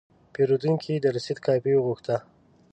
پیرودونکی د رسید کاپي وغوښته.